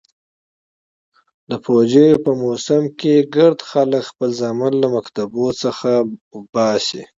د پوجيو په موسم کښې ګرده خلك خپل زامن له مكتبو څخه اوباسي.